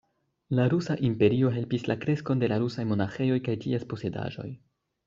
La rusa imperio helpis la kreskon de la rusaj monaĥejoj kaj ties posedaĵoj.